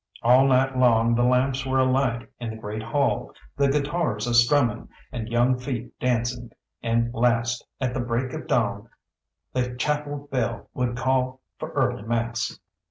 All night long the lamps were alight in the great hall, the guitars a strumming, and young feet dancing, and last, at the break of dawn, the chapel bell would call for early mass.